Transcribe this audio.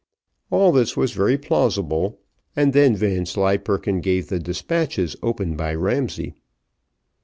All this was very plausible, and then Vanslyperken gave the despatches opened by Ramsay.